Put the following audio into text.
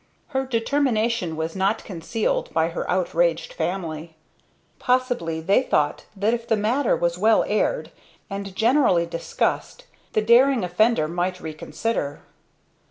Her determination was not concealed by her outraged family. Possibly they thought that if the matter was well aired, and generally discussed, the daring offender might reconsider.